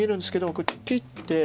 これ切って。